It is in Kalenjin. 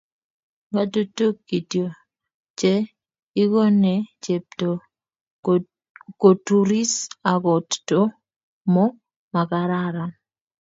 ngatutuk kityo? che ikoene chepto koturis okot to mo makararan?